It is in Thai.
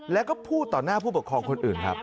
แล้วก็พูดต่อหน้าผู้ปกครองคนอื่นครับ